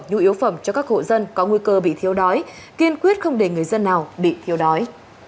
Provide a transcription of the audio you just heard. nhu yếu phẩm cho các hộ dân có nguy cơ bị thiếu đói kiên quyết không để người dân nào bị thiếu đói